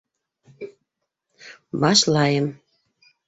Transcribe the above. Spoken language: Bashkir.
Башлайым.